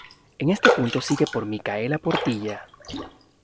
En este punto sigue por Mikaela Portilla.